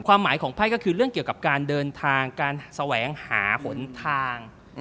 ความหมายของไพ่ก็คือเรื่องเกี่ยวกับการเดินทางการแสวงหาหนทาง